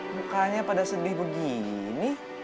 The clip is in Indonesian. mukanya pada sedih begini